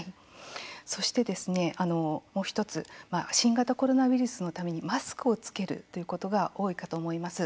そしてもう１つ新型コロナウイルスのためにマスクを着けるということが多いかと思います。